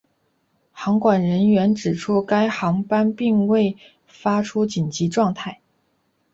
航管人员指出该航班并未发出紧急状态。